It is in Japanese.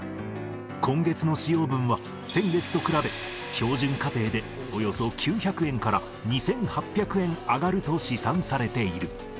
今月の使用分は先月と比べ、標準家庭でおよそ９００円から２８００円上がると試算されている。